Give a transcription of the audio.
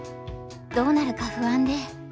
どうなるか不安で。